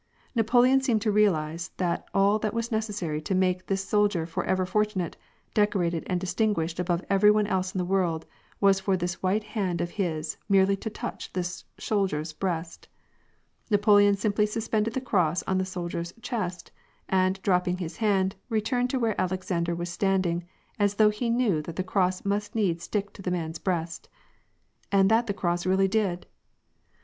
Napoleon seemed to realize that all that was necessary to make this soldier forever fortunate, decorated, and distin guished above every one else in the world, was for this white hand of his merely to touch this soldier^s breast ! Napoleon simply suspended the cross on the soldier's chest, and, drop ping his hand, returned to where Alexander was standing, as though he knew that the cross must needs stick to the man's breast. And that the cross really did !